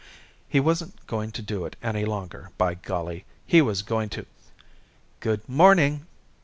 He wasn't going to do it any longer, by golly! He was going to "Good morning!"